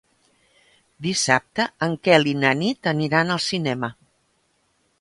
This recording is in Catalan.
Dissabte en Quel i na Nit aniran al cinema.